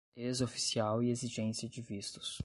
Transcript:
ex-oficial e exigência de vistos